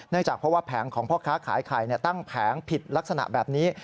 จากเพราะว่าแผงของพ่อค้าขายไข่ตั้งแผงผิดลักษณะแบบนี้